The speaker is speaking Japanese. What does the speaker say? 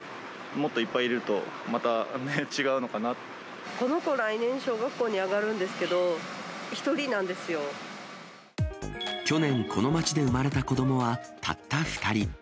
遊び相手がもっといっぱいいこの子、来年、小学校に上がるんですけど、去年、この町で生まれた子どもはたった２人。